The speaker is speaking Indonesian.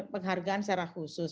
penghargaan secara khusus